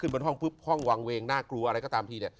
บนห้องปุ๊บห้องวางเวงน่ากลัวอะไรก็ตามทีเนี่ย